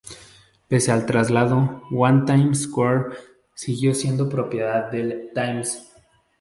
Pese al traslado, One Times Square siguió siendo propiedad del "Times".